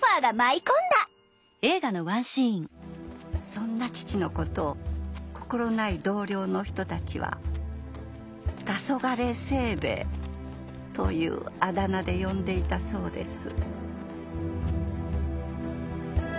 そんな父の事を心ない同僚の人たちはたそがれ清兵衛というあだ名で呼んでいたそうです